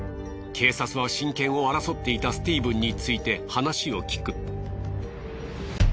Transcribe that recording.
警察は親権を争っていたスティーブンについて話を聞く。